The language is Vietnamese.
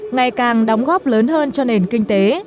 ngày càng đóng góp lớn hơn cho nền kinh tế